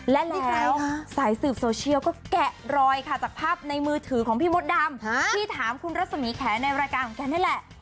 และจริงแล้วสายสืบโซเชียลก็แกะรอยค่ะจากภาพในมือถือของพี่มดดำที่ถามคุณรัศมีแขนในรายการของแกนี่แหละ